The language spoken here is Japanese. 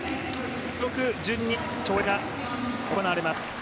記録順に跳躍が行われます。